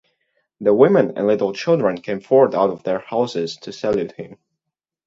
The women and little children came forth out of their houses to salute him.